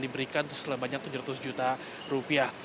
diberikan selain banyak tujuh ratus juta rupiah